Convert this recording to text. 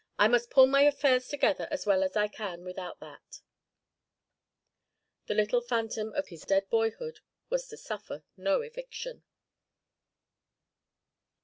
I must pull my affairs together as well as I can without that.' The little phantom of his dead boyhood was to suffer no eviction.